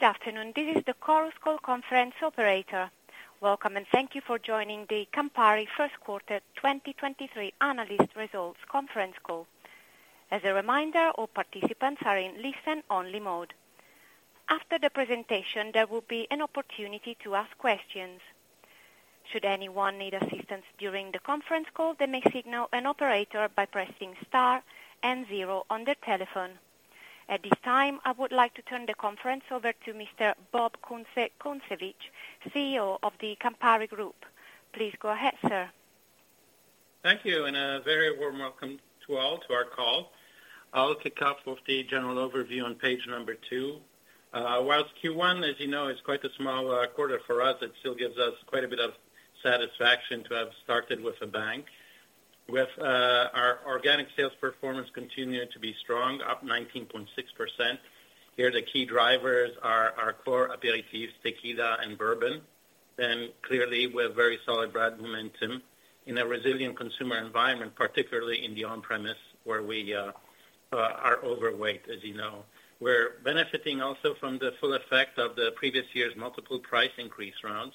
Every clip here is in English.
Good afternoon, this is the Chorus Call Conference operator. Welcome, and thank you for joining the Campari first quarter 2023 analyst results conference call. As a reminder, all participants are in listen only mode. After the presentation, there will be an opportunity to ask questions. Should anyone need assistance during the conference call, they may signal an operator by pressing star and zero on their telephone. At this time, I would like to turn the conference over to Mr. Bob Kunze-Concewitz, CEO of the Campari Group. Please go ahead, sir. Thank you, a very warm welcome to all to our call. I'll kick off with the general overview on page number two. Whilst Q1, as you know, is quite a small quarter for us, it still gives us quite a bit of satisfaction to have started with a bank. Our organic sales performance continued to be strong, up 19.6%. Here, the key drivers are our core aperitifs, tequila and bourbon. Clearly, we have very solid broad momentum in a resilient consumer environment, particularly in the on-premise where we are overweight, as you know. We're benefiting also from the full effect of the previous year's multiple price increase rounds,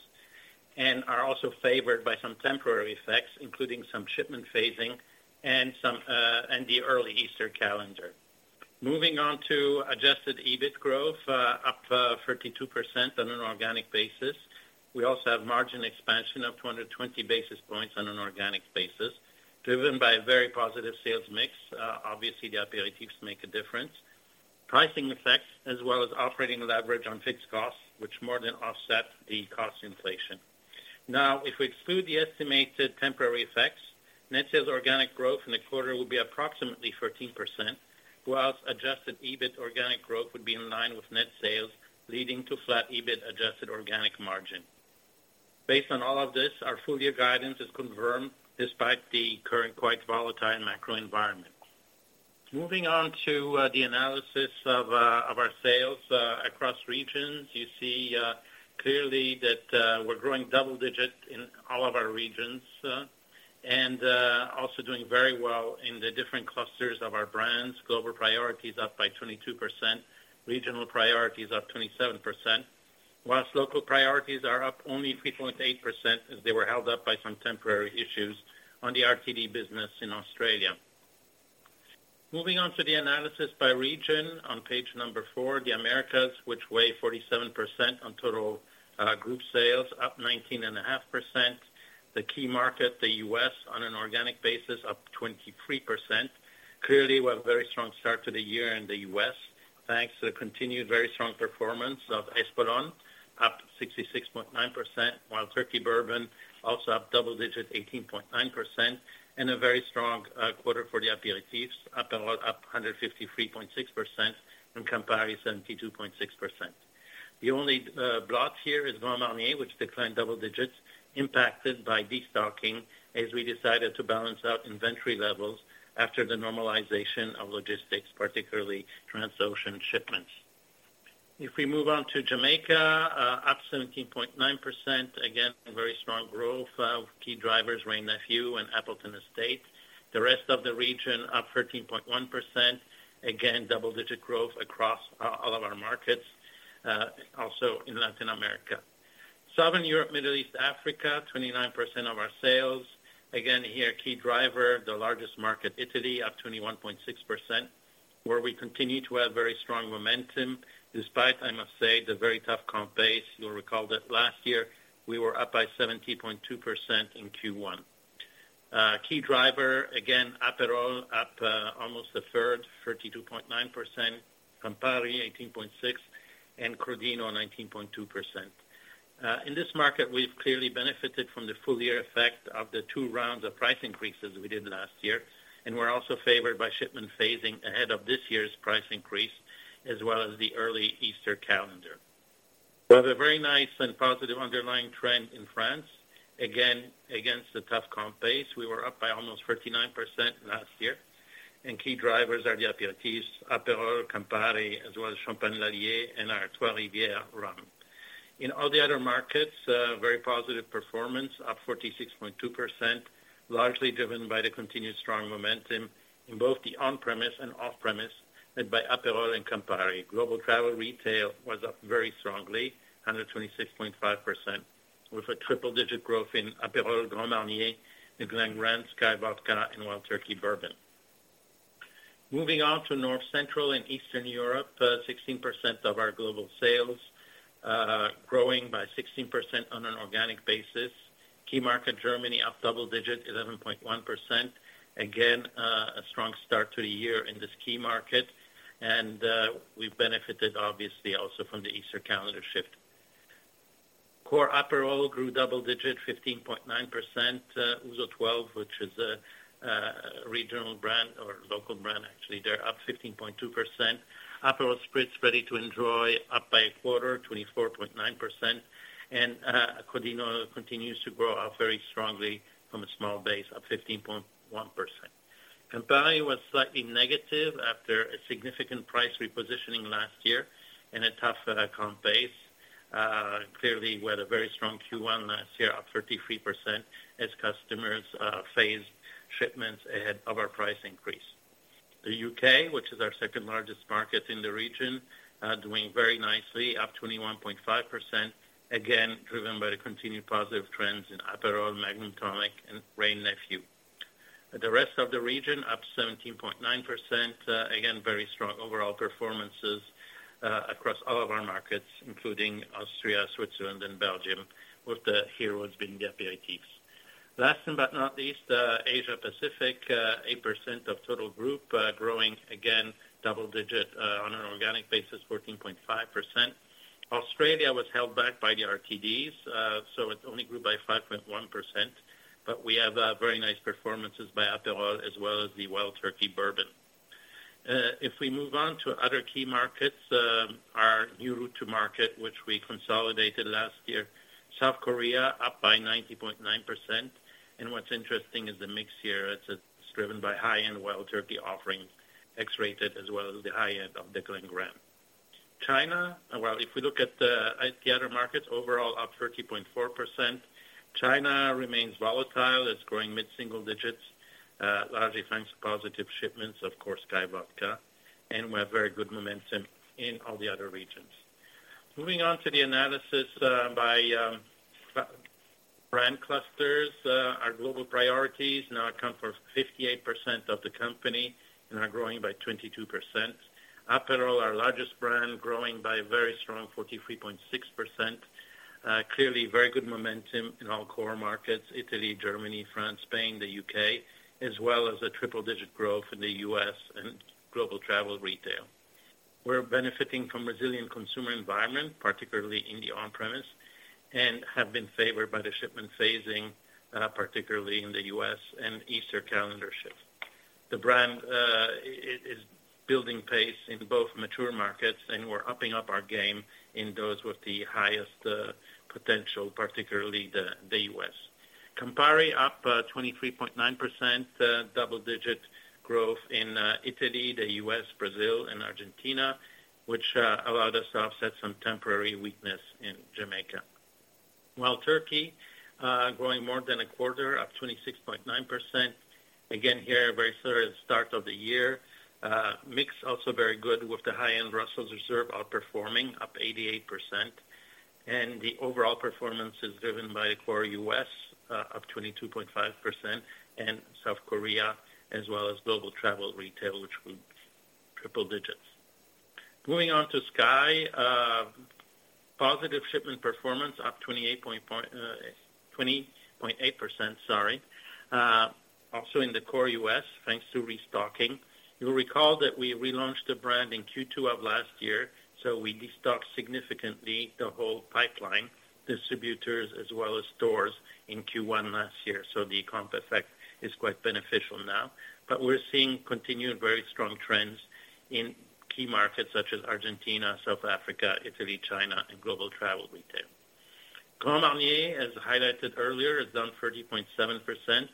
and are also favored by some temporary effects, including some shipment phasing and the early Easter calendar. Moving on to adjusted EBIT growth, up 32% on an organic basis. We also have margin expansion of 220 basis points on an organic basis, driven by a very positive sales mix, obviously the aperitifs make a difference. Pricing effects as well as operating leverage on fixed costs, which more than offset the cost inflation. If we exclude the estimated temporary effects, net sales organic growth in the quarter will be approximately 13%, whilst adjusted EBIT organic growth would be in line with net sales, leading to flat EBIT adjusted organic margin. Based on all of this, our full year guidance is confirmed despite the current quite volatile macro environment. Moving on to the analysis of our sales across regions. You see, clearly that, we're growing double-digit in all of our regions, and also doing very well in the different clusters of our brands. Global priorities up by 22%, regional priorities up 27%, whilst local priorities are up only 3.8% as they were held up by some temporary issues on the RTD business in Australia. Moving on to the analysis by region on page number four, the Americas, which weigh 47% on total, group sales, up 19.5%. The key market, the U.S. on an organic basis, up 23%. Clearly, we have a very strong start to the year in the U.S. thanks to the continued very strong performance of Espolòn, up 66.9%, while Wild Turkey Bourbon also up double digits, 18.9% and a very strong quarter for the aperitifs, up a lot, up 153.6% and Campari 72.6%. The only blot here is Grand Marnier, which declined double digits impacted by destocking as we decided to balance out inventory levels after the normalization of logistics, particularly trans-ocean shipments. If we move on to Jamaica, up 17.9%. Again, very strong growth of key drivers, Wray & Nephew and Appleton Estate. The rest of the region up 13.1%. Again, double-digit growth across all of our markets, also in Latin America. Southern Europe, Middle East, Africa, 29% of our sales. Here, key driver, the largest market, Italy, up 21.6%, where we continue to have very strong momentum despite, I must say, the very tough comp base. You'll recall that last year we were up by 17.2% in Q1. Key driver, again, Aperol up almost a third, 32.9%, Campari 18.6%, and Crodino 19.2%. In this market, we've clearly benefited from the full year effect of the two rounds of price increases we did last year, and we're also favored by shipment phasing ahead of this year's price increase, as well as the early Easter calendar. We have a very nice and positive underlying trend in France. Against the tough comp base, we were up by almost 39% last year, and key drivers are the aperitifs, Aperol, Campari, as well as Champagne Lallier and our Trois Rivières rhum. In all the other markets, very positive performance, up 46.2%, largely driven by the continued strong momentum in both the on-premise and off-premise, led by Aperol and Campari. Global travel retail was up very strongly, 126.5%, with a triple digit growth in Aperol, Grand Marnier, Glen Grant, SKYY Vodka and Wild Turkey Bourbon. Moving on to North, Central and Eastern Europe, 16% of our global sales, growing by 16% on an organic basis. Key market, Germany, up double digits, 11.1%. Again, a strong start to the year in this key market, and we've benefited obviously also from the Easter calendar shift. Core Aperol grew double digits, 15.9%. Ouzo 12, which is a regional brand or local brand, actually, they're up 15.2%. Aperol Spritz ready to enjoy up by a quarter, 24.9%. Crodino continues to grow up very strongly from a small base of 15.1%. Campari was slightly negative after a significant price repositioning last year in a tough comp base. Clearly we had a very strong Q1 last year, up 33% as customers phased shipments ahead of our price increase. The U.K. which is our second largest market in the region, doing very nicely, up 21.5%. Driven by the continued positive trends in Aperol, Magnum Tonic Wine, and Wray & Nephew. The rest of the region, up 17.9%. Very strong overall performances across all of our markets, including Austria, Switzerland, and Belgium, with the heroes being the aperitifs. Last but not least, Asia Pacific, 8% of total group, growing again double digit on an organic basis, 14.5%. Australia was held back by the RTDs, so it only grew by 5.1%, but we have very nice performances by Aperol as well as the Wild Turkey Bourbon. If we move on to other key markets, our new route to market, which we consolidated last year, South Korea up by 90.9%. What's interesting is the mix here. It's driven by high-end Wild Turkey offerings, X-Rated, as well as the high end of the Glen Grant. Well, if we look at the other markets overall, up 30.4%. China remains volatile. It's growing mid-single digits, largely thanks to positive shipments, of course, SKYY Vodka, we have very good momentum in all the other regions. Moving on to the analysis, by brand clusters, our global priorities now account for 58% of the company and are growing by 22%. Aperol, our largest brand, growing by a very strong 43.6%. Clearly very good momentum in all core markets, Italy, Germany, France, Spain, the U.K. as well as a triple-digit growth in the U.S. and global travel retail. We're benefiting from resilient consumer environment, particularly in the on-premise, and have been favored by the shipment phasing, particularly in the U.S. and Easter calendar shift. The brand is building pace in both mature markets, and we're upping up our game in those with the highest potential, particularly the U.S.. Campari up 23.9%, double-digit growth in Italy, the U.S., Brazil, and Argentina, which allowed us to offset some temporary weakness in Jamaica. Wild Turkey growing more than a quarter, up 26.9%. Again here, a very solid start of the year. Mix also very good with the high-end Russell's Reserve outperforming, up 88%. The overall performance is driven by core U.S., up 22.5%, and South Korea, as well as global travel retail, which grew triple digits. Moving on to SKYY. Positive shipment performance, up 20.8%, sorry. Also in the core U.S., thanks to restocking. You'll recall that we relaunched the brand in Q2 of last year, so we destocked significantly the whole pipeline, distributors, as well as stores in Q1 last year. The comp effect is quite beneficial now. We're seeing continued very strong trends in key markets such as Argentina, South Africa, Italy, China, and global travel retail. Grand Marnier, as highlighted earlier, is down 30.7%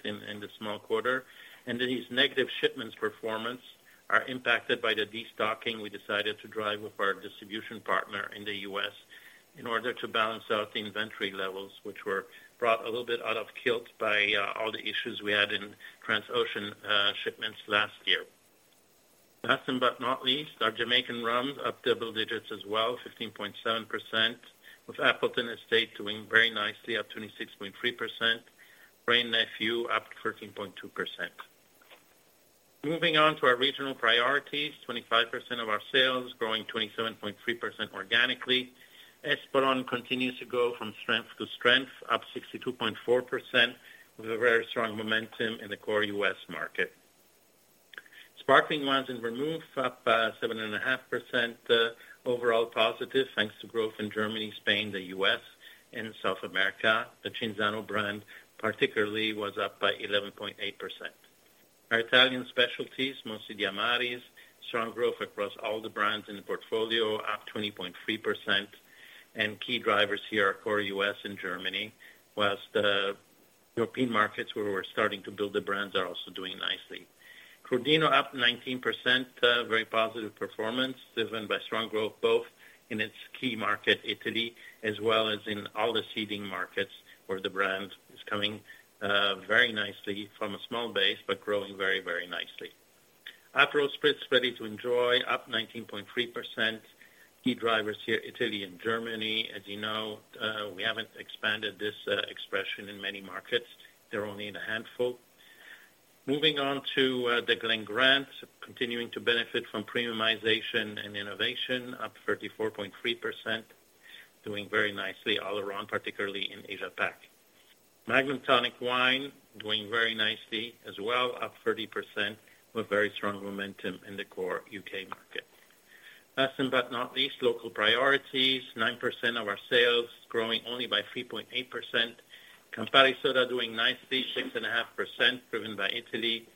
in the small quarter. These negative shipments performance are impacted by the destocking we decided to drive with our distribution partner in the U.S. in order to balance out the inventory levels, which were brought a little bit out of kilt by all the issues we had in transocean shipments last year. Last but not least, our Jamaican rums up double digits as well, 15.7%, with Appleton Estate doing very nicely, up 26.3%. Wray & Nephew up 13.2%. Moving on to our regional priorities, 25% of our sales growing 27.3% organically. Espolòn continues to go from strength to strength, up 62.4% with a very strong momentum in the core U.S. market. Sparkling wines and vermouth up 7.5% overall positive, thanks to growth in Germany, Spain, the U.S., and South America. The Cinzano brand particularly was up by 11.8%. Our Italian specialties, mostly Amaris, strong growth across all the brands in the portfolio, up 20.3%. Key drivers here are core U.S. and Germany, whilst the European markets where we're starting to build the brands are also doing nicely. Crodino up 19%, very positive performance, driven by strong growth both in its key market, Italy, as well as in all the seeding markets where the brand is coming very nicely from a small base, but growing very, very nicely. Aperol Spritz, ready to enjoy, up 19.3%. Key drivers here, Italy and Germany. As you know, we haven't expanded this expression in many markets. They're only in a handful. Moving on to The GlenGrant, continuing to benefit from premiumization and innovation, up 34.3%. Doing very nicely all around, particularly in Asia Pac. Magnum Tonic Wine doing very nicely as well, up 30% with very strong momentum in the core U.K. market. Last but not least, local priorities, 9% of our sales growing only by 3.8%. Campari Soda doing nicely, 6.5% driven by Italy.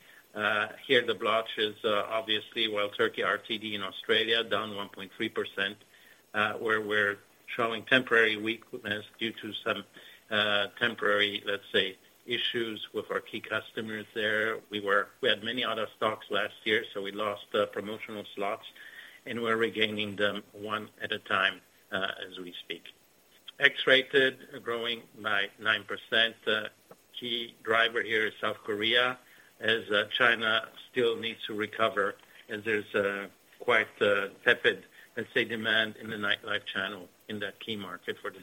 Here the blotch is, obviously Wild Turkey RTD in Australia, down 1.3%, where we're showing temporary weakness due to some temporary, let's say, issues with our key customers there. We had many out of stocks last year, so we lost promotional slots, and we're regaining them one at a time as we speak. X-Rated growing by 9%. The key driver here is South Korea, as China still needs to recover, and there's a quite tepid, let's say, demand in the nightlife channel in that key market for the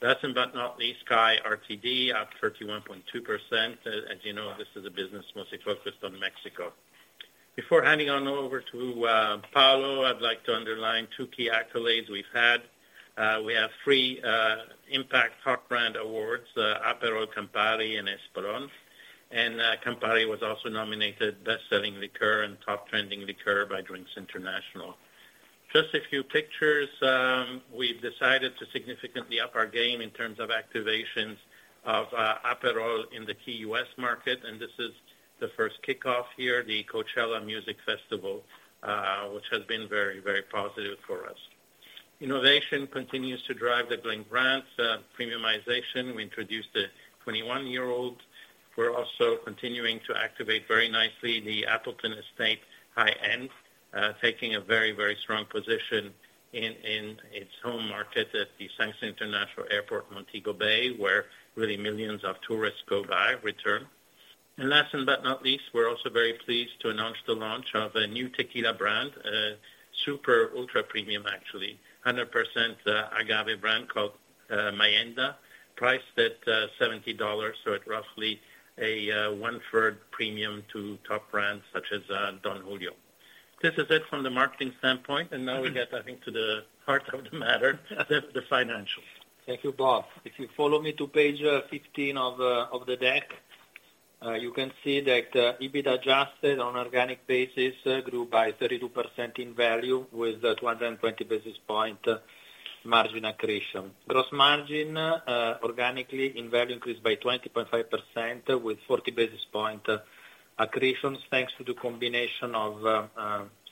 brand. Last but not least, SKYY RTD, up 31.2%. As you know, this is a business mostly focused on Mexico. Before handing on over to Paolo, I'd like to underline two key accolades we've had. We have three Impact Top Brand awards, Aperol, Campari and Espolòn. Campari was also nominated best-selling liquor and top trending liquor by Drinks International. Just a few pictures, we've decided to significantly up our game in terms of activations of Aperol in the key U.S. market, and this is the first kickoff here, the Coachella Music Festival, which has been very, very positive for us. Innovation continues to drive the Blink brands. Premiumization, we introduced a 21-year-old. We're also continuing to activate very nicely the Appleton Estate high end, taking a very, very strong position in its home market at the Sangster International Airport, Montego Bay, where really millions of tourists go by, return. Last but not least, we're also very pleased to announce the launch of a new tequila brand, super ultra premium, actually, 100% agave brand called Mayenda, priced at $70, so at roughly a one-third premium to top brands such as Don Julio. This is it from the marketing standpoint, now we get, I think, to the heart of the matter, the financials. Thank you, Bob. If you follow me to page 15 of the deck, you can see that EBIT adjusted on organic basis grew by 32% in value with a 220 basis point margin accretion. Gross margin organically in value increased by 20.5% with 40 basis point accretions, thanks to the combination of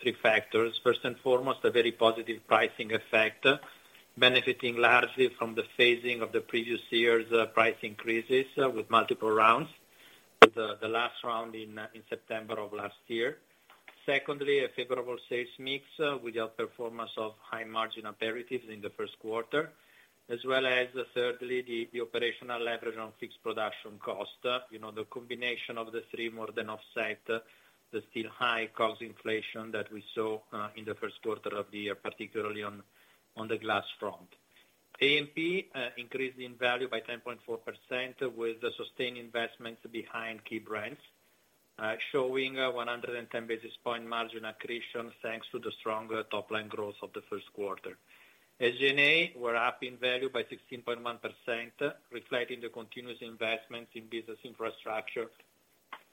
three factors. First and foremost, a very positive pricing effect, benefiting largely from the phasing of the previous year's price increases with multiple rounds, with the last round in September of last year. Secondly, a favorable sales mix with the performance of high margin aperitifs in the first quarter, as well as thirdly, the operational leverage on fixed production cost. You know, the combination of the three more than offset the still high cost inflation that we saw in the first quarter of the year, particularly on the glass front. A&P increased in value by 10.4% with the sustained investments behind key brands showing 110 basis point margin accretion, thanks to the stronger top-line growth of the first quarter. SG&A were up in value by 16.1%, reflecting the continuous investments in business infrastructure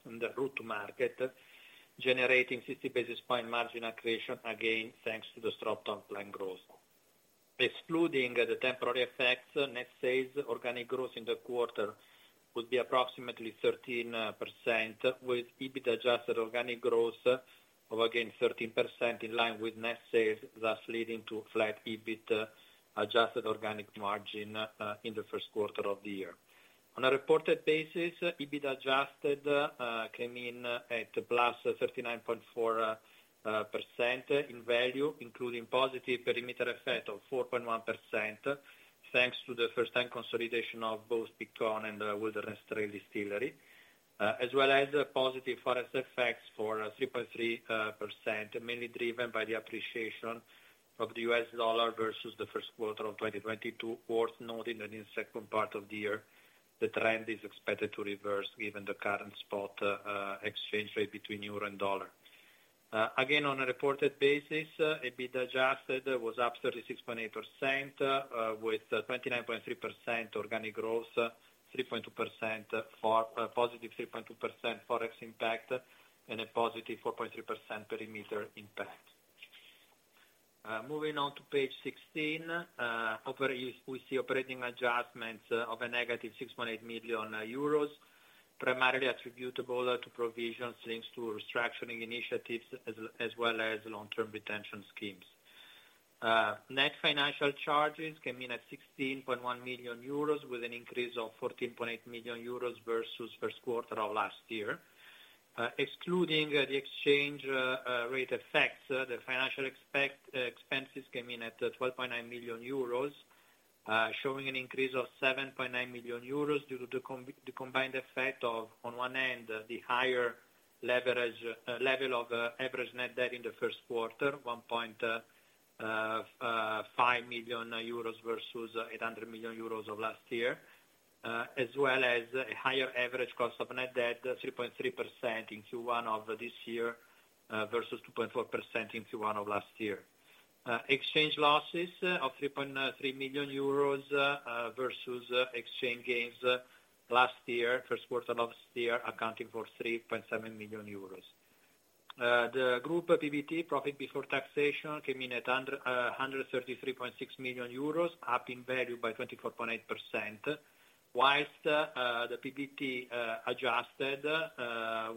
in the route to market, generating 50 basis point margin accretion, again, thanks to the strong top-line growth. Excluding the temporary effects, net sales organic growth in the quarter would be approximately 13%, with EBIT adjusted organic growth of, again, 13% in line with net sales, thus leading to flat EBIT adjusted organic margin in the first quarter of the year. On a reported basis, EBIT adjusted came in at +39.4% in value, including positive perimeter effect of 4.1%, thanks to the first-time consolidation of both Biggar & Leith and Wilderness Trail Distillery, as well as positive forex effects for 3.3%, mainly driven by the appreciation of the U.S. dollar versus the first quarter of 2022, worth noting that in the second part of the year, the trend is expected to reverse given the current spot exchange rate between euro and dollar. Again, on a reported basis, EBIT adjusted was up 36.8%, with 29.3% organic growth, positive 3.2% Forex impact, and a positive 4.3% perimeter impact. Moving on to page 16, we see operating adjustments of a negative 6.8 million euros, primarily attributable to provisions linked to restructuring initiatives as well as long-term retention schemes. Net financial charges came in at 16.1 million euros with an increase of 14.8 million euros versus first quarter of last year. Excluding the exchange rate effects, the financial expenses came in at 12.9 million euros, showing an increase of 7.9 million euros due to the combined effect of, on one hand, the higher leverage level of average net debt in the first quarter, 1.5 million euros versus 800 million euros of last year, as well as a higher average cost of net debt, 3.3% in Q1 of this year, versus 2.4% in Q1 of last year. Exchange losses of 3.3 million euros versus exchange gains last year, first quarter last year, accounting for 3.7 million euros. The group PBT, profit before taxation, came in at 133.6 million euros, up in value by 24.8%, whilst the PBT adjusted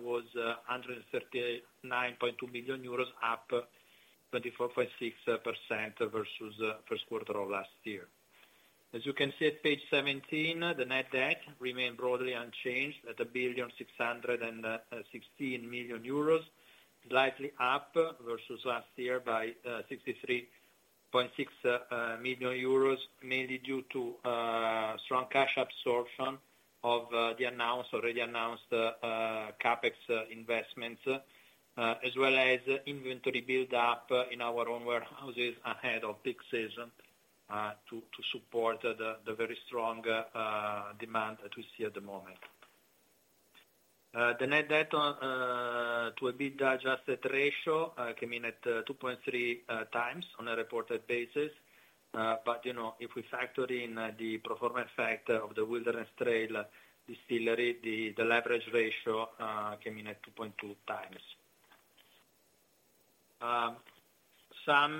was 139.2 million euros, up 24.6% versus first quarter of last year. As you can see at page 17, the net debt remained broadly unchanged at 1,616 million euros. Slightly up versus last year by 63.6 million euros, mainly due to strong cash absorption of the announced, already announced, CapEx investments, as well as inventory build-up in our own warehouses ahead of peak season, to support the very strong demand that we see at the moment. The net debt to EBITDA asset ratio came in at two point three times on a reported basis. You know, if we factor in the performance factor of the Wilderness Trail Distillery, the leverage ratio came in at two point two times. Some,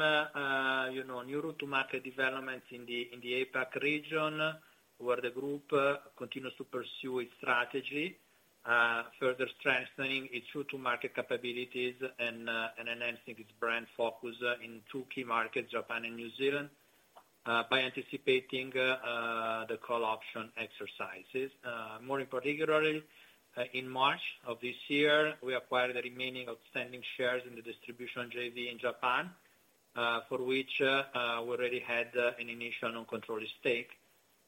you know, new route to market developments in the APAC region, where the group continues to pursue its strategy, further strengthening its route to market capabilities and enhancing its brand focus in two key markets, Japan and New Zealand, by anticipating the call option exercises. More in particularly, in March of this year, we acquired the remaining outstanding shares in the distribution JV in Japan, for which we already had an initial non-controlling stake.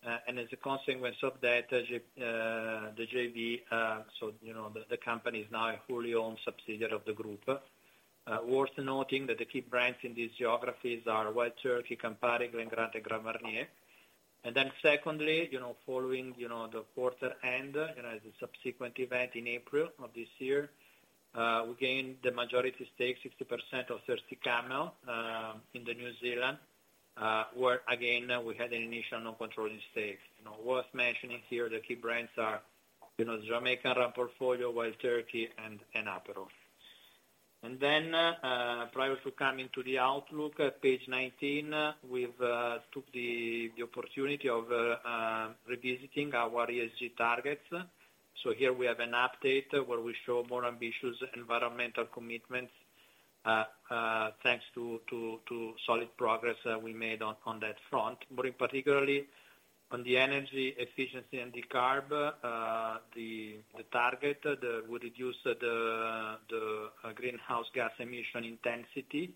As a consequence of that, the JV, so, you know, the company is now a wholly owned subsidiary of the group. Worth noting that the key brands in these geographies are Wild Turkey, Campari, Glen Grant, and Grand Marnier. Secondly, you know, following, you know, the quarter end, you know, as a subsequent event in April of this year, we gained the majority stake, 60% of Thirsty Camel in New Zealand, where again, we had an initial non-controlling stake. You know, worth mentioning here the key brands are, you know, the Jamaican Rum portfolio, Wild Turkey and Aperol. Prior to coming to the outlook at page 19, we've took the opportunity of revisiting our ESG targets. Here we have an update where we show more ambitious environmental commitments, thanks to solid progress that we made on that front. In particularly on the energy efficiency and decarb, the target would reduce the greenhouse gas emission intensity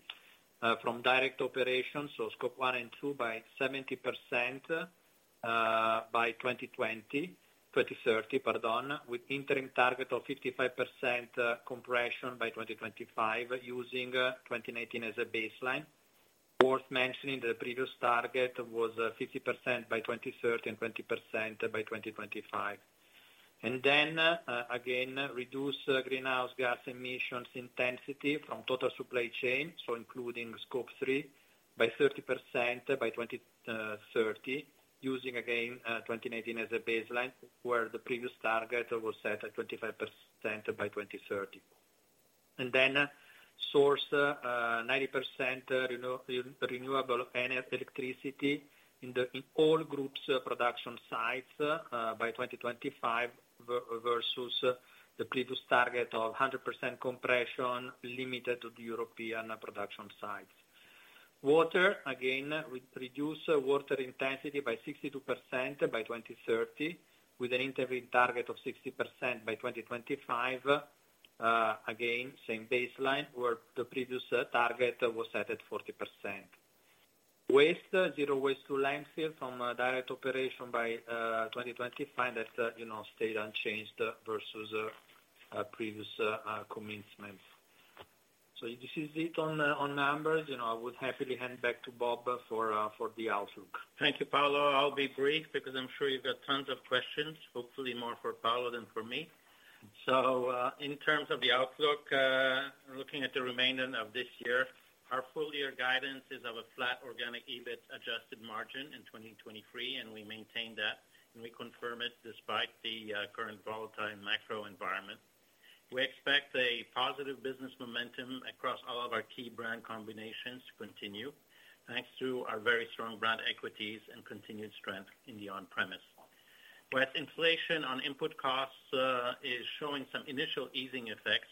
from direct operations, so Scope 1 and 2 by 70% by 2030, pardon. With interim target of 55% compression by 2025 using 2019 as a baseline. Worth mentioning the previous target was 50% by 2030 and 20% by 2025. Again, reduce greenhouse gas emissions intensity from total supply chain, so including Scope 3 by 30% by 2030, using again 2019 as a baseline, where the previous target was set at 25% by 2030. Then source 90% renewable electricity in all groups production sites by 2025 versus the previous target of 100% compression limited to the European production sites. Water, again, we produce water intensity by 62% by 2030, with an interim target of 60% by 2025. Again, same baseline where the previous target was set at 40%. Waste, zero waste to landfill from direct operation by 2025 that, you know, stayed unchanged versus previous commencements. This is it on numbers. You know, I would happily hand back to Bob for the outlook. Thank you, Paolo. I'll be brief because I'm sure you've got tons of questions, hopefully more for Paolo than for me. In terms of the outlook, looking at the remainder of this year, our full year guidance is of a flat organic EBIT adjusted margin in 2023, and we maintain that, and we confirm it despite the current volatile macro environment. We expect a positive business momentum across all of our key brand combinations to continue, thanks to our very strong brand equities and continued strength in the on-premise. With inflation on input costs is showing some initial easing effects,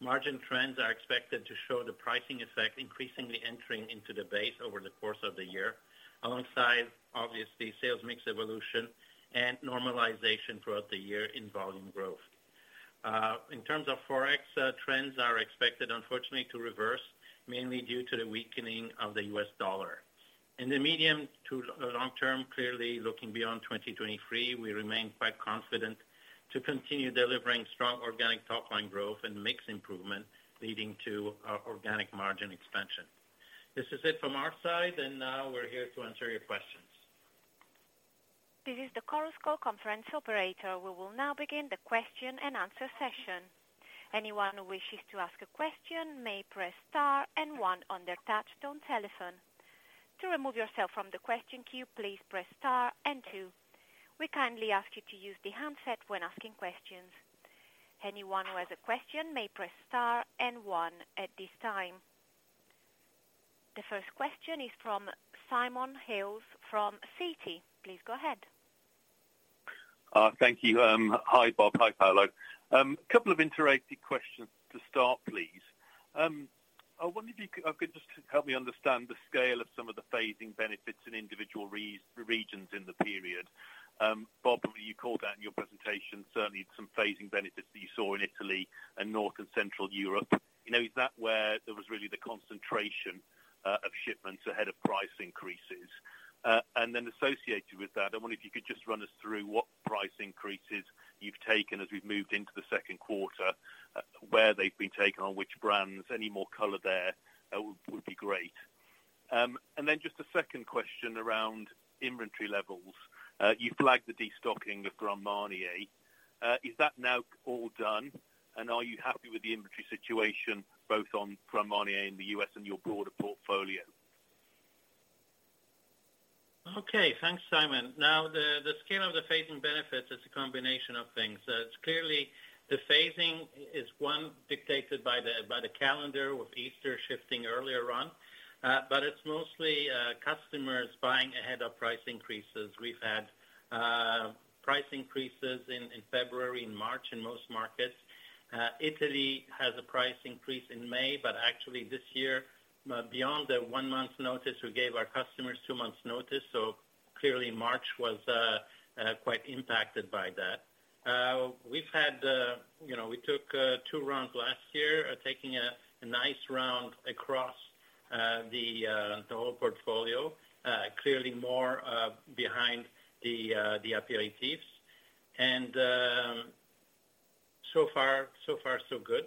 margin trends are expected to show the pricing effect increasingly entering into the base over the course of the year, alongside obviously sales mix evolution and normalization throughout the year in volume growth. In terms of Forex, trends are expected unfortunately to reverse, mainly due to the weakening of the U.S. dollar. In the medium to long term, clearly looking beyond 2023, we remain quite confident to continue delivering strong organic top line growth and mix improvement leading to organic margin expansion. This is it from our side, now we're here to answer your questions. This is the Chorus Call conference operator. We will now begin the question and answer session. Anyone who wishes to ask a question may press star and one on their touchtone telephone. To remove yourself from the question queue, please press star and two. We kindly ask you to use the handset when asking questions. Anyone who has a question may press star and one at this time. The first question is from Simon Hales from Citi. Please go ahead. Thank you. Hi, Bob. Hi, Paolo. Couple of interrelated questions to start, please. I wonder if you could just help me understand the scale of some of the phasing benefits in individual re-regions in the period. Bob, you called out in your presentation certainly some phasing benefits that you saw in Italy and North and Central Europe. You know, is that where there was really the concentration of shipments ahead of price increases? Associated with that, I wonder if you could just run us through what price increases you've taken as we've moved into the second quarter, where they've been taken, on which brands. Any more color there would be great. Just a second question around inventory levels. You flagged the destocking of Grand Marnier. is that now all done, and are you happy with the inventory situation both on Grand Marnier in the U.S. and your broader portfolio? Okay. Thanks, Simon. The scale of the phasing benefits is a combination of things. It's clearly the phasing is one dictated by the calendar with Easter shifting earlier on. It's mostly customers buying ahead of price increases. We've had price increases in February and March in most markets. Italy has a price increase in May, but actually this year, beyond the one month notice, we gave our customers two months notice. Clearly March was quite impacted by that. We've had, you know, we took two rounds last year, taking a nice round across the whole portfolio, clearly more behind the aperitifs. So far, so far, so good.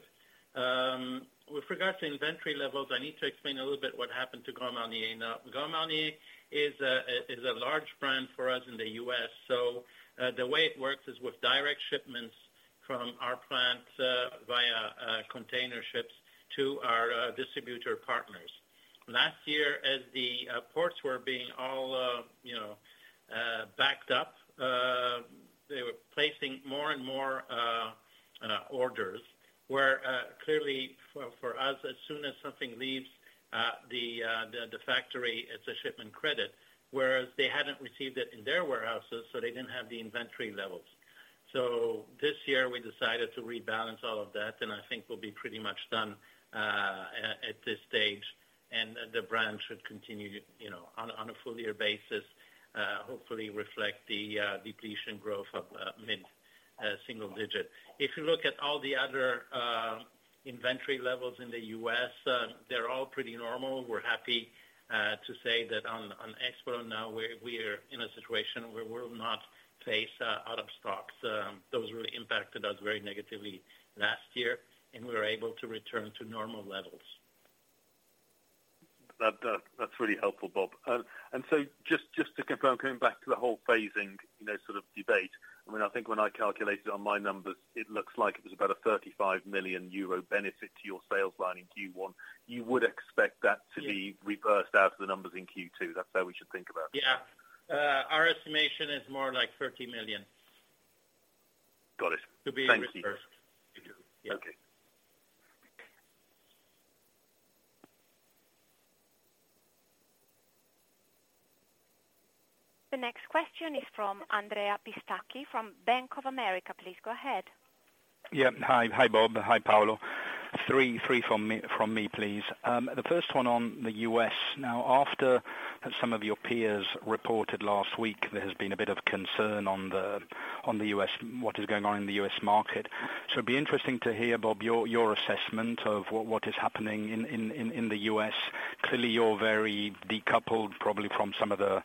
With regards to inventory levels, I need to explain a little bit what happened to Grand Marnier. Grand Marnier is a large brand for us in the U.S., so the way it works is with direct shipments from our plant, via container ships to our distributor partners. Last year, as the ports were being all, you know, backed up, they were placing more and more orders where clearly for us, as soon as something leaves the factory, it's a shipment credit, whereas they hadn't received it in their warehouses, so they didn't have the inventory levels. This year we decided to rebalance all of that, and I think we'll be pretty much done at this stage. The brand should continue, you know, on a full year basis, hopefully reflect the depletion growth of mid single digit. If you look at all the other inventory levels in the U.S., they're all pretty normal. We're happy to say that on export now we're in a situation where we're not faced out of stocks. That was really impacted us very negatively last year, and we were able to return to normal levels. That's really helpful, Bob. Just to confirm, coming back to the whole phasing, you know, sort of debate. I mean, I think when I calculated it on my numbers, it looks like it was about a 35 million euro benefit to your sales line in Q1. You would expect that to be. Yeah. reversed out to the numbers in Q2. That's how we should think about it. Yeah. Our estimation is more like 30 million. Got it. Thank you. To be reversed. Okay. The next question is from Andrea Pistacchi from Bank of America. Please go ahead. Yeah. Hi. Hi, Bob. Hi, Paolo. Three from me, please. The first one on the U.S. Now, after some of your peers reported last week, there has been a bit of concern on the U.S. What is going on in the U.S. market. It'd be interesting to hear, Bob, your assessment of what is happening in the U.S. Clearly you're very decoupled probably from some of the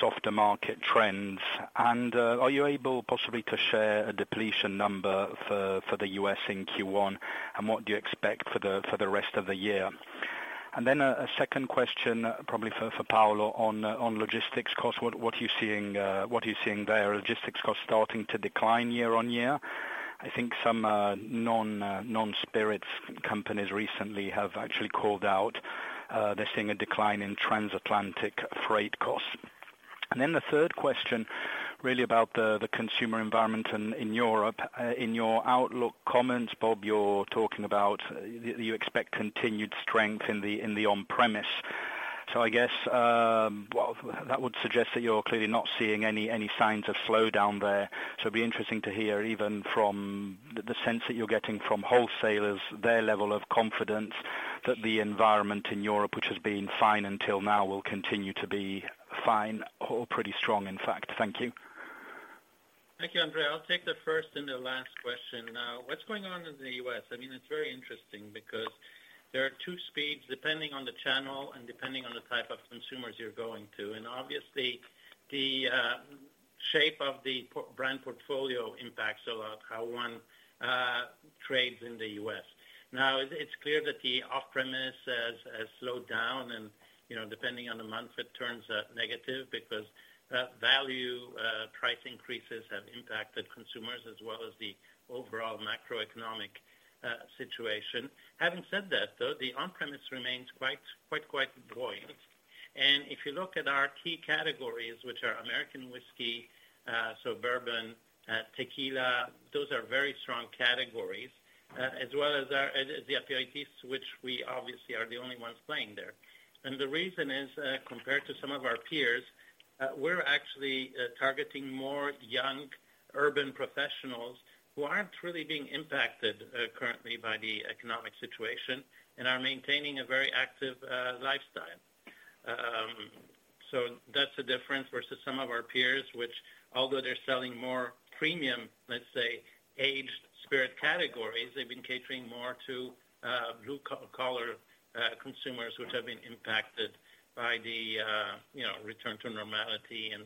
softer market trends. Are you able possibly to share a depletion number for the U.S. in Q1, and what do you expect for the rest of the year? A second question probably for Paolo on logistics costs. What are you seeing there? Are logistics costs starting to decline year-on-year? I think some non non-spirit companies recently have actually called out they're seeing a decline in transatlantic freight costs. The third question really about the consumer environment in Europe. In your outlook comments, Bob, you're talking about you expect continued strength in the on-premise. I guess that would suggest that you're clearly not seeing any signs of slowdown there. It'd be interesting to hear even from the sense that you're getting from wholesalers, their level of confidence that the environment in Europe, which has been fine until now, will continue to be fine or pretty strong, in fact. Thank you. Thank you, Andrea. I'll take the first and the last question. What's going on in the U.S., I mean, it's very interesting because there are two speeds, depending on the channel and depending on the type of consumers you're going to. Obviously the shape of the brand portfolio impacts a lot how one trades in the U.S. It's clear that the off-premise has slowed down and, you know, depending on the month, it turns negative because value price increases have impacted consumers as well as the overall macroeconomic situation. Having said that though, the on-premise remains quite buoyant. If you look at our key categories, which are American whiskey, so bourbon, tequila, those are very strong categories, as well as our, as the aperitifs, which we obviously are the only ones playing there. The reason is, compared to some of our peers, we're actually targeting more young urban professionals who aren't really being impacted currently by the economic situation and are maintaining a very active lifestyle. So that's the difference versus some of our peers, which although they're selling more premium, let's say, aged spirit categories, they've been catering more to blue-collar consumers which have been impacted by the, you know, return to normality and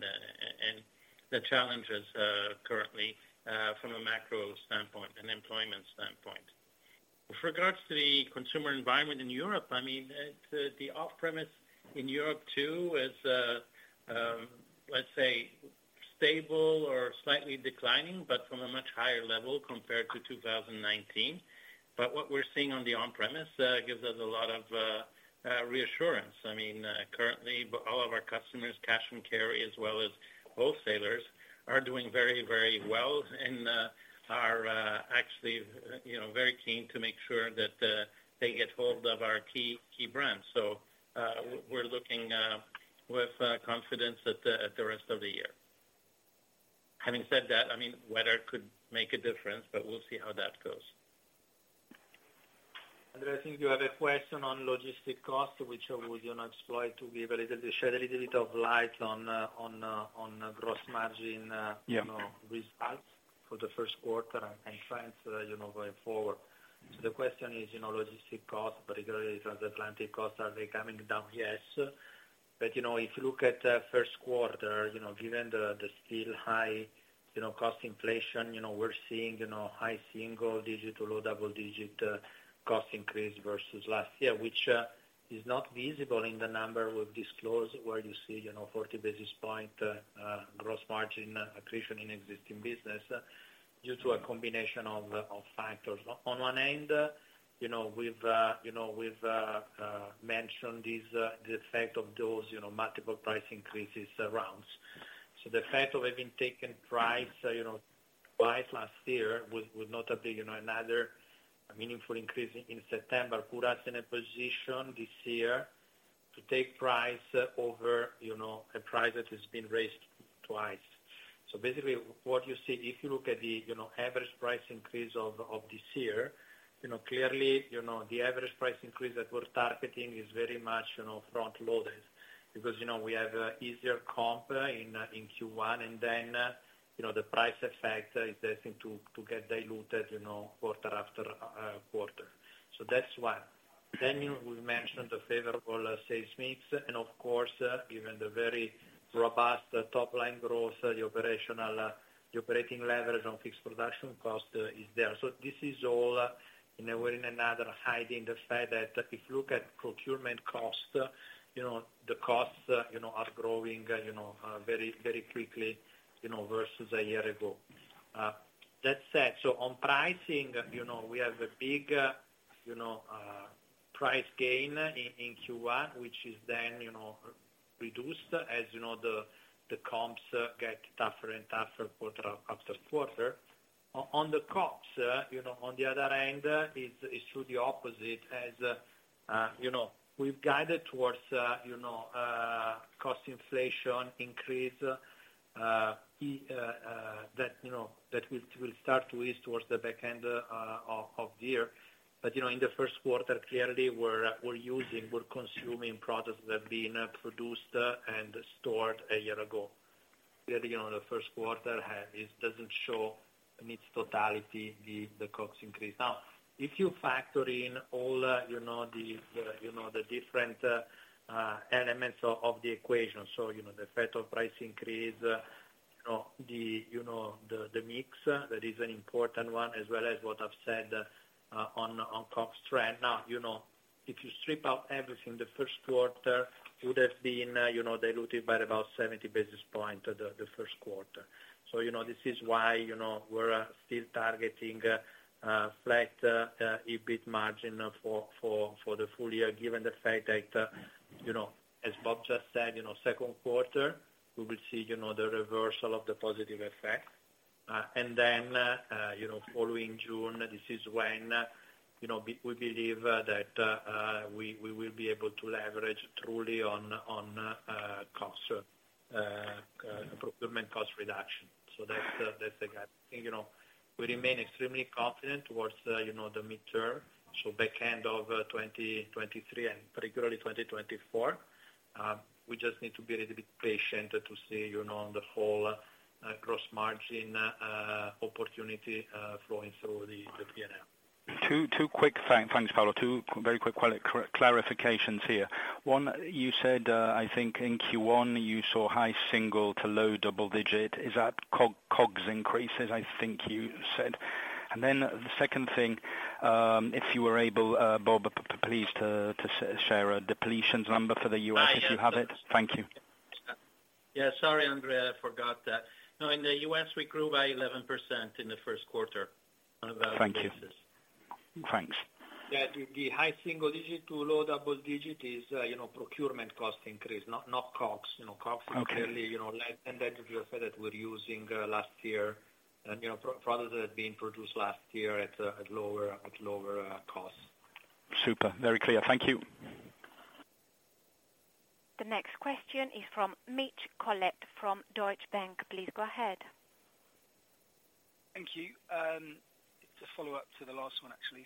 the challenges currently from a macro standpoint and employment standpoint. With regards to the consumer environment in Europe, I mean, the off-premise in Europe too is, let's say stable or slightly declining, but from a much higher level compared to 2019. What we're seeing on the on-premise gives us a lot of reassurance. I mean, currently all of our customers, cash and carry, as well as wholesalers, are doing very, very well, and are actually, you know, very keen to make sure that they get hold of our key brands. We're looking with confidence at the rest of the year. Having said that, I mean, weather could make a difference, but we'll see how that goes. I think you have a question on logistic costs, which I would, you know, explain to shed a little bit of light on gross margin. Yeah. you know, results for the first quarter and trends, you know, going forward. The question is, you know, logistic costs, particularly transatlantic costs, are they coming down? Yes. you know, if you look at, first quarter, you know, given the still high, you know, cost inflation, you know, we're seeing, you know, high single digit or low double digit, cost increase versus last year, which is not visible in the number we've disclosed, where you see, you know, 40 basis point gross margin accretion in existing business due to a combination of factors. On one end, you know, we've, you know, we've mentioned these, the effect of those, you know, multiple price increases rounds. The fact of having taken price, you know, twice last year with not a big, you know, another meaningful increase in September, put us in a position this year to take price over, you know, a price that has been raised twice. Basically what you see, if you look at the, you know, average price increase of this year, you know, clearly, you know, the average price increase that we're targeting is very much, you know, front-loaded because, you know, we have easier comp in Q1 and then, you know, the price effect is starting to get diluted, you know, quarter after quarter. That's one. We've mentioned the favorable sales mix, and of course, given the very robust top-line growth, the operating leverage on fixed production cost is there. This is all, in a way or another, hiding the fact that if you look at procurement costs, you know, the costs, you know, are growing, you know, very, very quickly, you know, versus a year ago. That said, on pricing, you know, we have a big, you know, price gain in Q1, which is then, you know, reduced as, you know, the comps get tougher and tougher quarter after quarter. On the COGS, you know, on the other end is through the opposite as, you know, we've guided towards, you know, cost inflation increase, that, you know, that we'll start to ease towards the back end of the year. In the first quarter, clearly we're using, we're consuming products that have been produced and stored a year ago. Clearly, you know, the first quarter doesn't show in its totality the COGS increase. Now, if you factor in all, you know, the different elements of the equation, so, you know, the effect of price increase, you know, the mix, that is an important one, as well as what I've said on COGS trend. Now, you know, if you strip out everything, the first quarter would have been, you know, diluted by about 70 basis points the first quarter. You know, this is why, you know, we're still targeting flat EBIT margin for the full year, given the fact that, you know, as Bob just said, you know, second quarter, we will see, you know, the reversal of the positive effect. And then, you know, following June, this is when, you know, we believe that we will be able to leverage truly on costs, procurement cost reduction. That's the guide. You know, we remain extremely confident towards, you know, the mid-term, so back end of 2023 and particularly 2024. We just need to be a little bit patient to see, you know, the whole gross margin opportunity flowing through the P&L. Two quick thanks, Paolo. Two very quick clarifications here. One, you said, I think in Q1 you saw high single to low double digit. Is that COGS increases, I think you said? The second thing, if you are able, Bob, please to share a depletions number for the U.S., if you have it. Thank you. Yeah. Sorry, Andrea, I forgot that. No, in the U.S., we grew by 11% in the first quarter on a value basis. Thank you. Thanks. The high single digit to low double digit is, you know, procurement cost increase, not COGS. You know, COGS clearly. Okay. You know, less than that, as you said, that we're using last year. You know, pro-products that had been produced last year at lower costs. Super, very clear. Thank you. The next question is from Mitch Collett from Deutsche Bank. Please go ahead. Thank you. To follow up to the last one actually.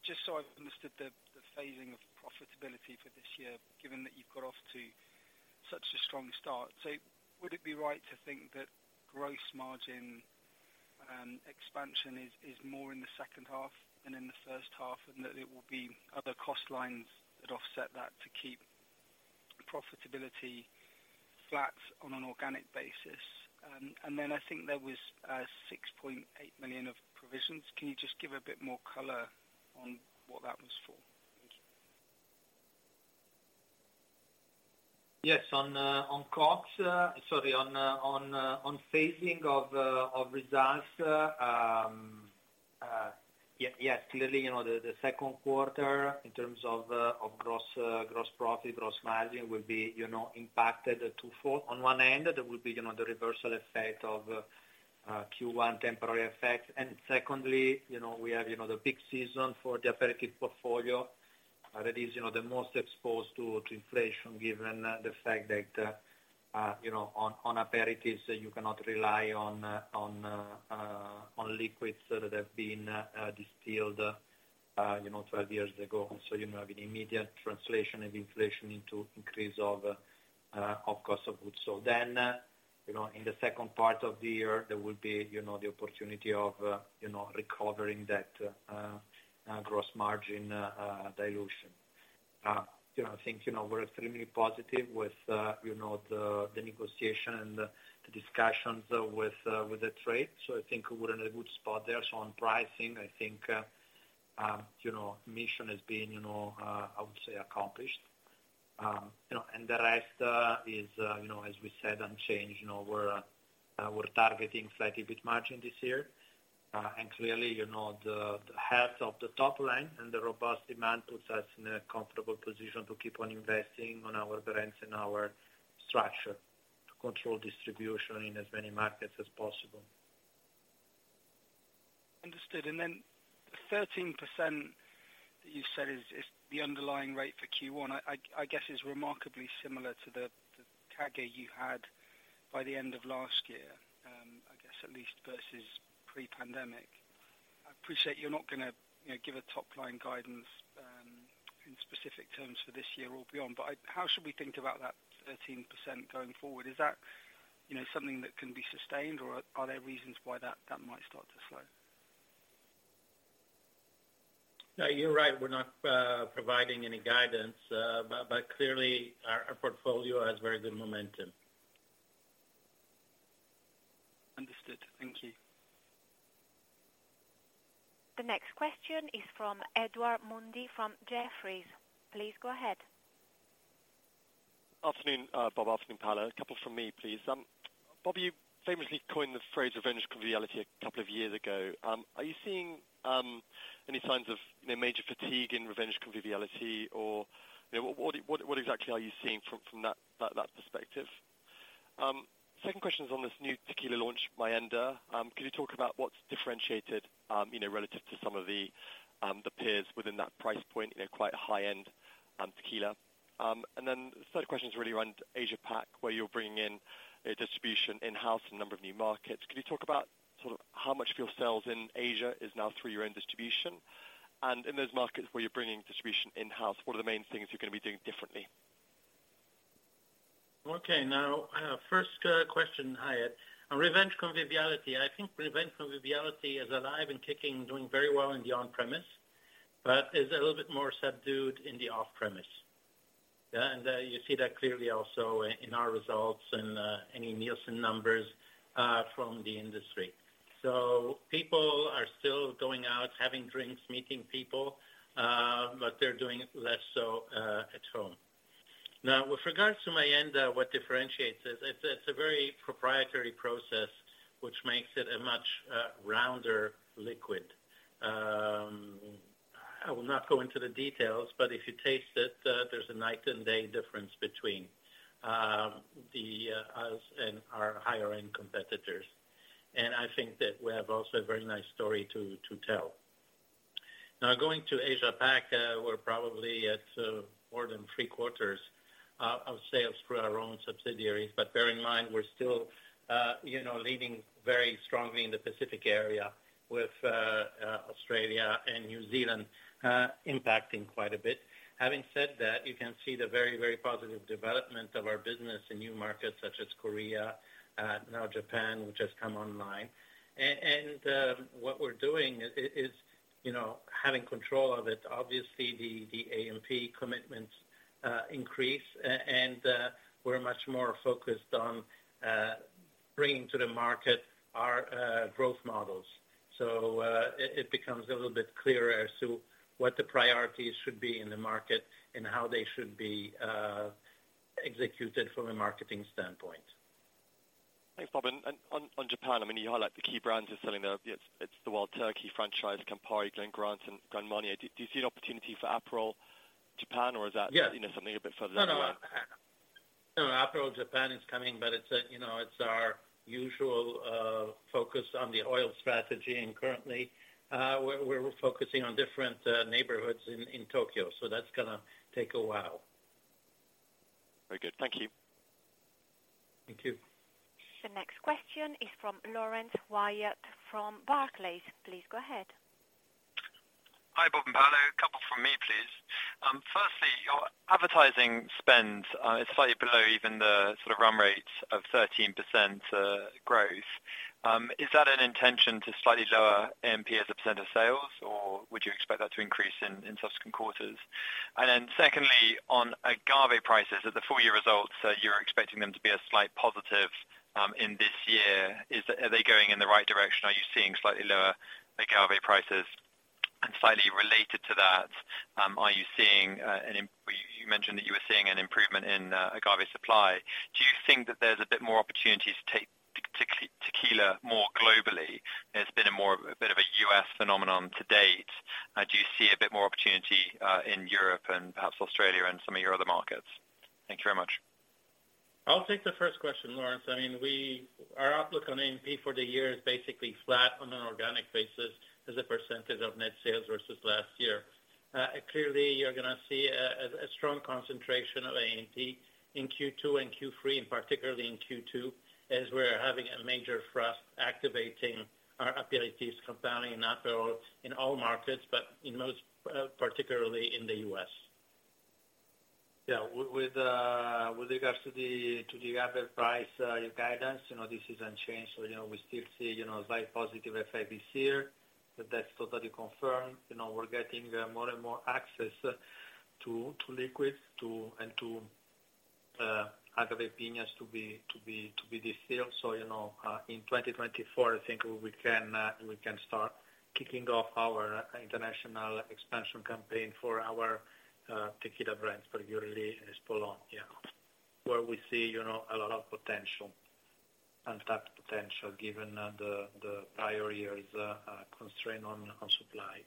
Just so I've understood the phasing of profitability for this year, given that you've got off to such a strong start, so would it be right to think that gross margin expansion is more in the second half than in the first half, and that it will be other cost lines that offset that to keep profitability flat on an organic basis? Then I think there was 6.8 million of provisions. Can you just give a bit more color on what that was for? Thank you. Yes. On costs, sorry, on phasing of results, yes, clearly, you know, the second quarter in terms of gross profit, gross margin will be, you know, impacted twofold. On one end, there will be, you know, the reversal effect of Q1 temporary effect. Secondly, you know, we have, you know, the peak season for the aperitif portfolio that is, you know, the most exposed to inflation given the fact that, you know, on aperitifs, you cannot rely on liquids that have been distilled, you know, 12 years ago. The immediate translation of inflation into increase of cost of goods. You know, in the second part of the year, there will be, you know, the opportunity of, you know, recovering that gross margin dilution. You know, I think, you know, we're extremely positive with, you know, the negotiation and the discussions with the trade. I think we're in a good spot there. On pricing, I think, you know, mission has been, you know, I would say accomplished. You know, and the rest is, you know, as we said, unchanged. You know, we're targeting slightly bit margin this year. Clearly, you know, the health of the top line and the robust demand puts us in a comfortable position to keep on investing on our brands and our structure to control distribution in as many markets as possible. Understood. Then 13% that you said is the underlying rate for Q1, I guess is remarkably similar to the EBITA you had by the end of last year, I guess at least versus pre-pandemic. I appreciate you're not gonna, you know, give a top-line guidance in specific terms for this year or beyond. How should we think about that 13% going forward? Is that, you know, something that can be sustained or are there reasons why that might start to slow? No, you're right. We're not providing any guidance. Clearly our portfolio has very good momentum. Understood. Thank you. The next question is from Edward Mundy from Jefferies. Please go ahead. Afternoon, Bob. Afternoon, Paolo. A couple from me, please. Bob, you famously coined the phrase revenge conviviality a couple of years ago. Are you seeing any signs of, you know, major fatigue in revenge conviviality? You know, what exactly are you seeing from that perspective? Second question is on this new tequila launch, Mayenda. Could you talk about what's differentiated, you know, relative to some of the peers within that price point, you know, quite high-end tequila? The third question is really around Asia Pac, where you're bringing in a distribution in-house in a number of new markets. Could you talk about sort of how much of your sales in Asia is now through your own distribution? In those markets where you're bringing distribution in-house, what are the main things you're gonna be doing differently? Okay. First question, Whyatt. Revenge conviviality. I think revenge conviviality is alive and kicking, doing very well in the on-premise, but is a little bit more subdued in the off-premise. Yeah. You see that clearly also in our results and any Nielsen numbers from the industry. People are still going out, having drinks, meeting people, but they're doing it less so at home. With regards to Mayenda, what differentiates us, it's a very proprietary process which makes it a much rounder liquid. I will not go into the details, but if you taste it, there's a night and day difference between the us and our higher-end competitors. I think that we have also a very nice story to tell. Going to Asia Pac, we're probably at more than three-quarters of sales through our own subsidiaries. Bear in mind, we're still, you know, leading very strongly in the Pacific area with Australia and New Zealand impacting quite a bit. Having said that, you can see the very, very positive development of our business in new markets such as Korea, now Japan, which has come online. What we're doing is, you know, having control of it. Obviously, the A&P commitments increase and we're much more focused on bringing to the market our growth models. It becomes a little bit clearer as to what the priorities should be in the market and how they should be executed from a marketing standpoint. Thanks, Bob. On Japan, I mean, you highlight the key brands you're selling there. It's the Wild Turkey franchise, Campari, Glen Grant, and Grand Marnier. Do you see an opportunity for Aperol Japan? Yeah. Is that, you know, something a bit further down the line? No, Aperol Japan is coming, but it's a, you know, it's our usual, focus on the oil strategy. Currently, we're focusing on different neighborhoods in Tokyo. That's gonna take a while. Very good. Thank you. Thank you. The next question is from Laurence Whyatt from Barclays. Please go ahead. Hi, Bob and Paolo. A couple from me, please. Firstly, your advertising spend is slightly below even the sort of run rate of 13% growth. Is that an intention to slightly lower A&P as a % of sales, or would you expect that to increase in subsequent quarters? Secondly, on agave prices. At the full year results, you're expecting them to be a slight positive in this year. Are they going in the right direction? Are you seeing slightly lower agave prices? Slightly related to that, you mentioned that you were seeing an improvement in agave supply. Do you think that there's a bit more opportunity to take tequila more globally? It's been a bit of a U.S. phenomenon to date. Do you see a bit more opportunity in Europe and perhaps Australia and some of your other markets? Thank you very much. I'll take the first question, Lawrence. I mean, our outlook on A&P for the year is basically flat on an organic basis as a percentage of net sales versus last year. Clearly, you're going to see a strong concentration of A&P in Q2 and Q3, and particularly in Q2, as we're having a major thrust activating our activities surrounding Aperol in all markets, but in most, particularly in the U.S. With regards to the agave price, your guidance, you know, this is unchanged. You know, we still see, you know, very positive effect this year. That's totally confirmed. You know, we're getting more and more access to liquids, and to agave piñas to be distilled. You know, in 2024, I think we can start kicking off our international expansion campaign for our tequila brands, particularly Espolòn. Where we see, you know, a lot of potential, untapped potential given the prior years' constraint on supply.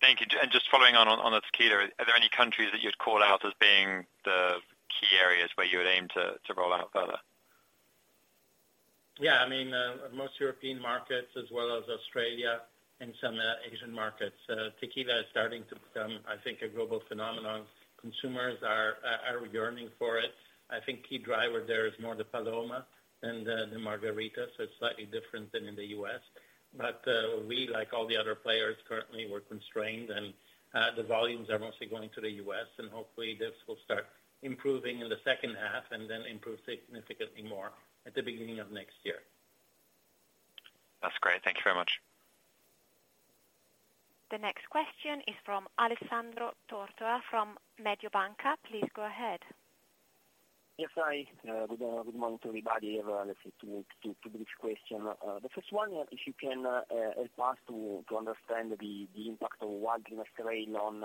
Thank you. Just following on the tequila, are there any countries that you'd call out as being the key areas where you would aim to roll out further? Yeah. I mean, most European markets as well as Australia and some Asian markets. Tequila is starting to become, I think, a global phenomenon. Consumers are yearning for it. I think key driver there is more the Paloma than the Margarita, so it's slightly different than in the U.S. We, like all the other players currently, we're constrained. The volumes are mostly going to the U.S., and hopefully this will start improving in the second half and then improve significantly more at the beginning of next year. That's great. Thank you very much. The next question is from Alessandro Tortora from Mediobanca. Please go ahead. Yes, hi. Good morning to everybody. I have, let's say, two brief question. The first one, if you can help us to understand the impact of Wild Turkey on,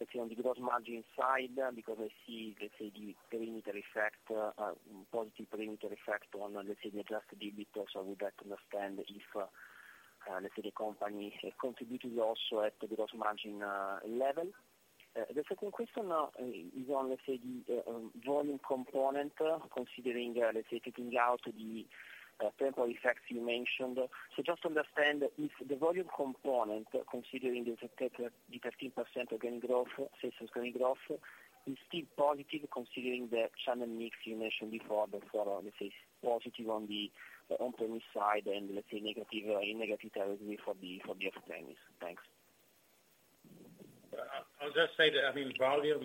let's say, on the gross margin side, because I see, let's say, the perimeter effect, positive perimeter effect on, let's say, the adjusted EBIT, so we'd like to understand if, let's say, the company is contributing also at the gross margin level. The second question is on, let's say, the volume component, considering, let's say, taking out the temporal effects you mentioned. Just to understand if the volume component, considering the 13% organic growth, sales organic growth, is still positive considering the channel mix you mentioned before, but for, let's say, positive on the On-premise side and let's say negative, in negative territory for the, for the other channels. Thanks. I'll just say that, I mean, volume,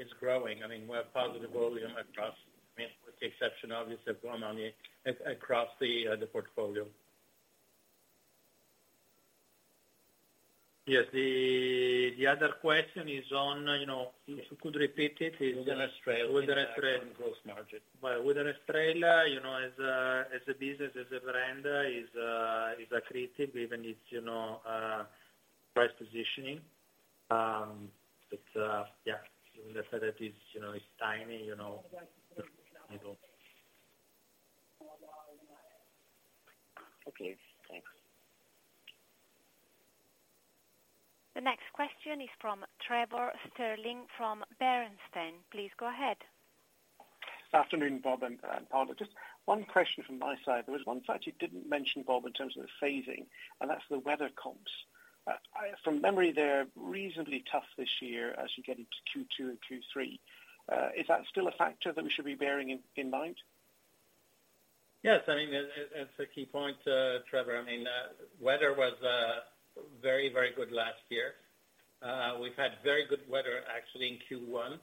is growing. I mean, we're positive volume across, I mean, with the exception obviously of Grand Marnier, across the portfolio. Yes. The other question is on, you know, if you could repeat it. Wild Turkey Wild Turkey impact on gross margin. Wild Turkey, you know, as a business, as a brand is accretive even if, you know, price positioning. Yeah, in the sense that it's, you know, it's tiny, you know. Okay, thanks. The next question is from Trevor Stirling from Bernstein. Please go ahead. Afternoon, Bob and Paolo. Just one question from my side. There was one fact you didn't mention, Bob, in terms of the phasing, and that's the weather comps. I, from memory, they're reasonably tough this year as you get into Q2 and Q3. Is that still a factor that we should be bearing in mind? Yes. I mean, that's a key point, Trevor. I mean, weather was very, very good last year. We've had very good weather actually in Q1.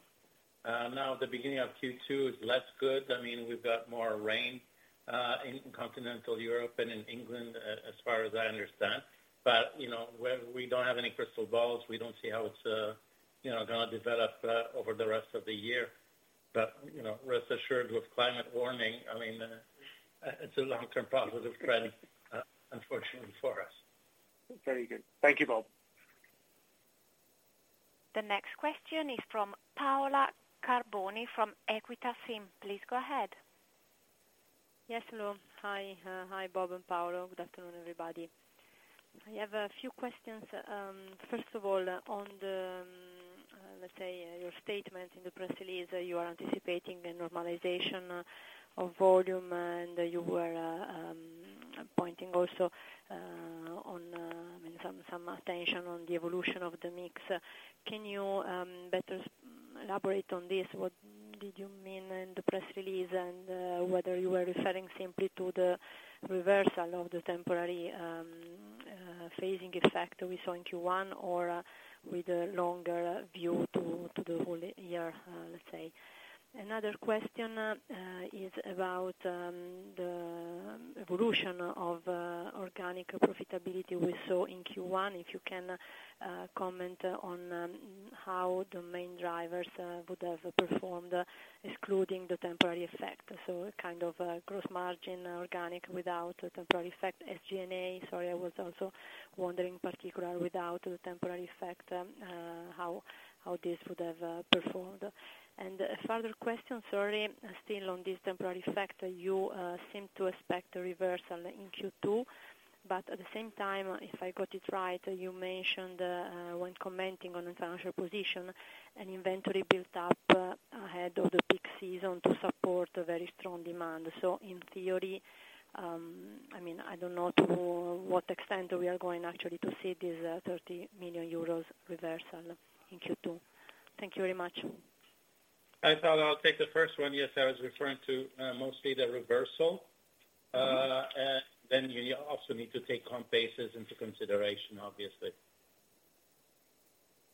Now the beginning of Q2 is less good. I mean, we've got more rain in continental Europe and in England, as far as I understand. You know, we don't have any crystal balls. We don't see how it's, you know, gonna develop over the rest of the year. You know, rest assured, with climate warming, I mean, it's a long-term positive trend, unfortunately for us. Very good. Thank you, Bob. The next question is from Paola Carboni from Equita SIM. Please go ahead. Yes. Hello. Hi. Hi, Bob and Paolo. Good afternoon, everybody. I have a few questions. First of all, on the, let's say, your statement in the press release, you are anticipating a normalization of volume, and you were pointing also on, I mean, some attention on the evolution of the mix. Can you better elaborate on this, what did you mean in the press release, and whether you were referring simply to the reversal of the temporary phasing effect we saw in Q1 or with a longer view to the full year, let's say? Another question is about the evolution of organic profitability we saw in Q1, if you can comment on how the main drivers would have performed excluding the temporary effect. Kind of, gross margin organic without the temporary effect. SG&A, sorry, I was also wondering, particular without the temporary effect, how this would have performed. A further question, sorry. Still on this temporary effect, you seem to expect a reversal in Q2, but at the same time, if I got it right, you mentioned, when commenting on the financial position, an inventory built up ahead of the peak season to support a very strong demand. In theory, I mean, I don't know to what extent we are going actually to see this 30 million euros reversal in Q2. Thank you very much. I thought I'll take the first one. Yes, I was referring to mostly the reversal. Then you also need to take comp basis into consideration, obviously.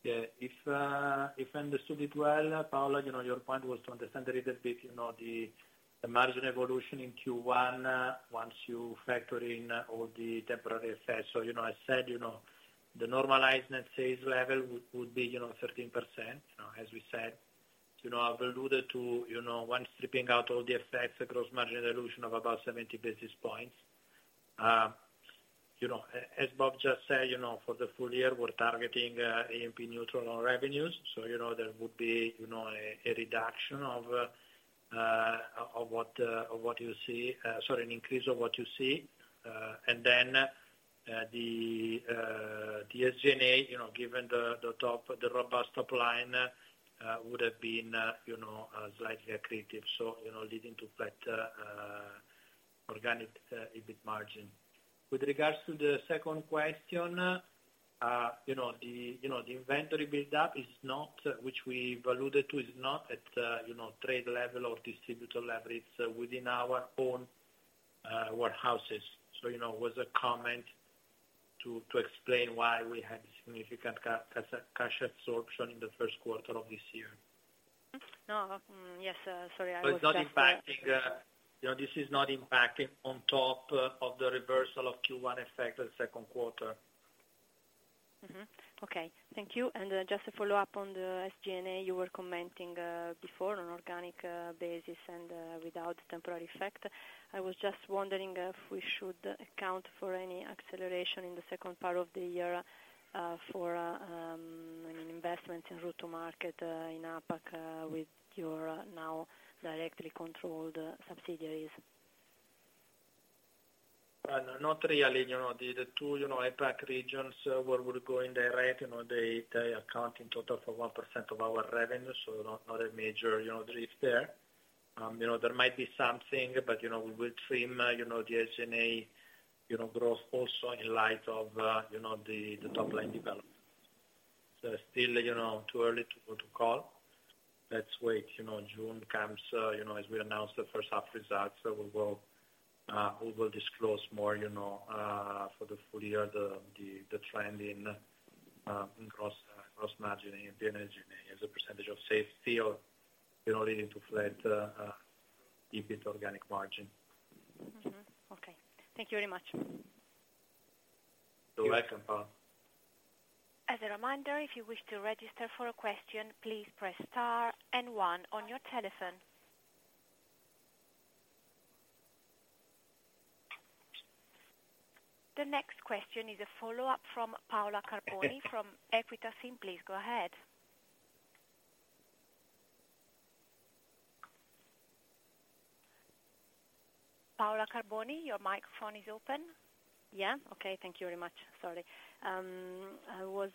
Yeah. If I understood it well, Paola, you know, your point was to understand a little bit, you know, the margin evolution in Q1, once you factor in all the temporary effects. I said, you know, the normalized net sales level would be, you know, 13%, you know, as we said. You know, I've alluded to, you know, once stripping out all the effects, the gross margin illusion of about 70 basis points. You know, as Bob just said, you know, for the full year, we're targeting A&P neutral on revenues. There would be, you know, a reduction of what you see. Sorry, an increase of what you see. The SG&A, you know, given the robust top line, would have been, you know, slightly accretive. you know, leading to better organic EBIT margin. With regards to the second question, you know, the inventory build up is not, which we've alluded to, at, you know, trade level or distributor level. It's within our own warehouses. you know, it was a comment to explain why we had significant cash absorption in the first quarter of this year. No. Yes, sorry. It's not impacting, you know, this is not impacting on top of the reversal of Q1 effect of the second quarter. Okay. Thank you. Just to follow up on the SG&A, you were commenting before on organic basis and without temporary effect. I was just wondering if we should account for any acceleration in the second part of the year, for investments in route to market, in APAC, with your now directly controlled subsidiaries. Not really, you know, the two, you know, APAC regions, where we're going direct, you know, they account in total for 1% of our revenue, so not a major, you know, drift there. You know, there might be something, but you know, we will trim, you know, the SG&A, you know, growth also in light of, you know, the top-line development. Still, you know, too early to call. Let's wait, you know, June comes, you know, as we announce the first half results, so we will disclose more, you know, for the full year, the, the trend in gross margin and the SG&A as a percentage of sales feel, you know, leading to flat EBIT organic margin. Mm-hmm. Okay. Thank you very much. You're welcome, Paola. As a reminder, if you wish to register for a question, please press star and one on your telephone. The next question is a follow-up from Paola Carboni from EQUITA SIM. Please go ahead. Paola Carboni, your microphone is open. Okay. Thank you very much. Sorry. I was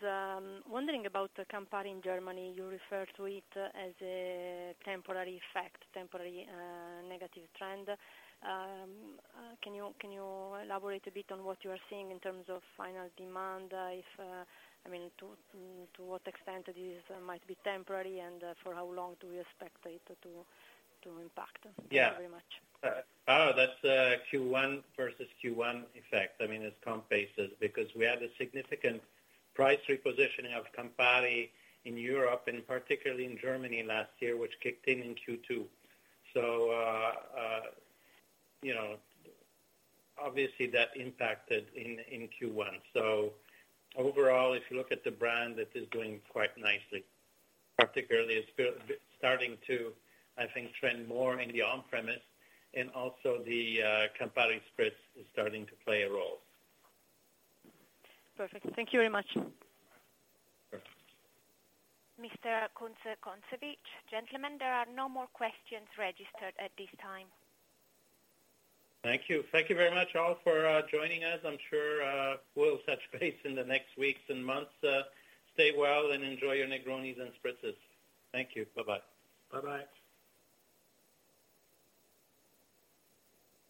wondering about the Campari in Germany. You referred to it as a temporary effect, temporary negative trend. Can you elaborate a bit on what you are seeing in terms of final demand? If, I mean, to what extent this might be temporary and for how long do we expect it to impact? Yeah. Thank you very much. Oh, that's a Q1 versus Q1 effect. I mean, it's comp basis because we had a significant price repositioning of Campari in Europe, and particularly in Germany last year, which kicked in in Q2. you know, obviously, that impacted in Q1. Overall, if you look at the brand, it is doing quite nicely. Particularly, it's starting to, I think, trend more in the on-premise, and also the Campari Spritz is starting to play a role. Perfect. Thank you very much. Perfect. Mr. Kunze-Concewitz. Gentlemen, there are no more questions registered at this time. Thank you. Thank you very much, all, for joining us. I'm sure we'll touch base in the next weeks and months. Stay well and enjoy your Negronis and spritzes. Thank you. Bye-bye. Bye-bye.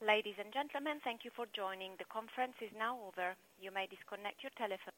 Ladies and gentlemen, thank you for joining. The conference is now over. You may disconnect your telephone.